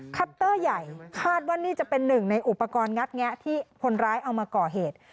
คัตเตอร์ใหญ่คาดว่านี่จะเป็นหนึ่งในอุปกรณ์งัดแงะที่คนร้ายเอามาก่อเหตุ